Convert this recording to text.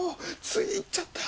つい言っちゃった。